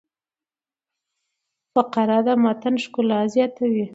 فقره د متن ښکلا زیاتوي.